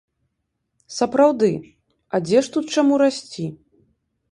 Сапраўды, а дзе ж тут чаму расці?